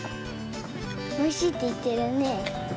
「おいしい」っていってるね。